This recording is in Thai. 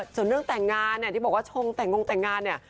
ส่วนเรื่องแต่งงานเนี่ยที่บอกว่าชงแต่งงแต่งงานเนี่ย